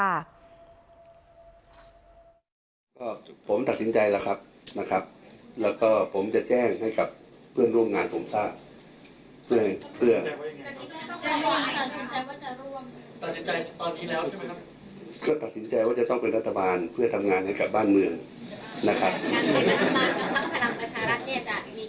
และการที่มาคุยกันกับภักร์พลังประชารัฐจะมีคำตอบให้วันไหน